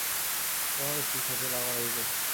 সে আমার স্ত্রীর সাথে লাগালাগি করতো।